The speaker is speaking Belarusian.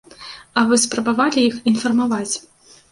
А вы спрабавалі іх інфармаваць?